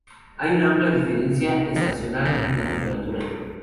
Hay una amplia diferencia estacional en la temperatura.